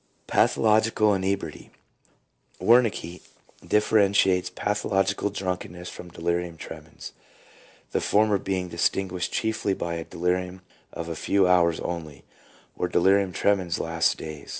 Pathological Inebriety. — Wernicke 1 differentiates pathological drunkenness from delirium tremens, the former being distinguished chiefly by a delirium of a few hours only, where delirium tremens lasts days.